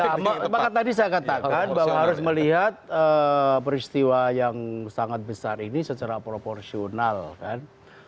ya maka tadi saya katakan bahwa harus melihat peristiwa yang sangat besar ini secara proporsional kan